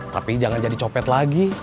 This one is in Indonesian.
tapi jangan jadi copet lagi